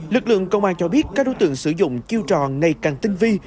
lực lượng công an cho biết các đối tượng sử dụng chiêu trò ngày càng tinh vi